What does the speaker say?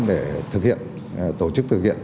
để thực hiện tổ chức